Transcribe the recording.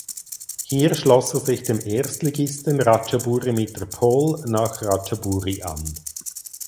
Hier schloss er sich dem Erstligisten Ratchaburi Mitr Phol nach Ratchaburi an.